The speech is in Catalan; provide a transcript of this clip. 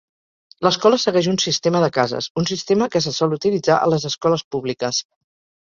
L'escola segueix un sistema de cases, un sistema que se sol utilitzar a les escoles públiques.